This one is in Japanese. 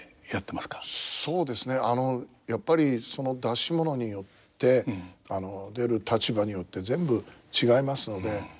そうですねやっぱりその出し物によって出る立場によって全部違いますので。